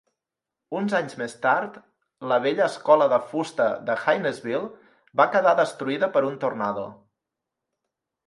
Uns anys més tard, la vella escola de fusta de Hainesville va quedar destruïda per un tornado.